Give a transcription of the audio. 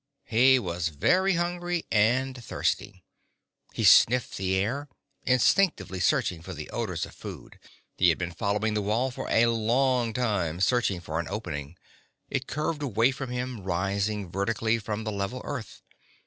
He was very hungry and thirsty. He sniffed the air, instinctively searching for the odors of food. He had been following the wall for a long time, searching for an opening. It curved away from him, rising vertically from the level earth.